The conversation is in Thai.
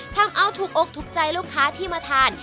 ทำเอาถูกอกถูกใจลูกค้าที่มาทาน